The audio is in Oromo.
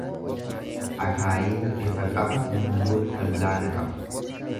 Akaayiin bifa qaba mulluun fallaana qaba.